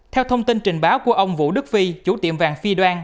theo thông tin trình báo của ông vũ đức phi chủ tiệm vàng phi đoan